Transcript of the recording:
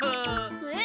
えっ？